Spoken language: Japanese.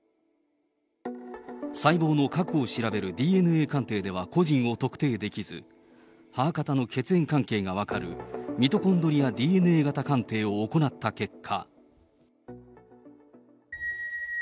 細胞の核を調べるＤＮＡ鑑定では個人を特定できず、母方の血縁関係が分かるミトコンドリアＤＮＡ型鑑定を行った結果。